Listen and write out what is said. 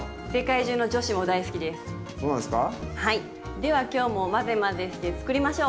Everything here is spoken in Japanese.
では今日も混ぜ混ぜして作りましょう。